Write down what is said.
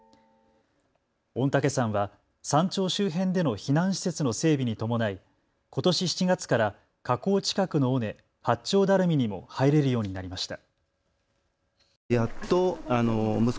御嶽山は山頂周辺での避難施設の整備に伴い、ことし７月から火口近くの尾根、八丁ダルミにも入れるようになりました。